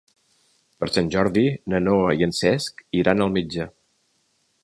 Per Sant Jordi na Noa i en Cesc iran al metge.